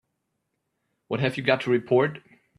What have you got to report?